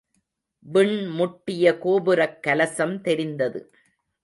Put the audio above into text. விண்முட்டிய கோபுரக் கலசம் தெரிந்தது.